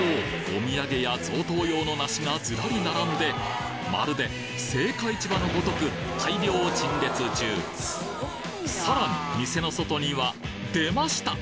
お土産や贈答用の梨がズラリ並んでまるで青果市場のごとく大量陳列中さらに店の外には出ました！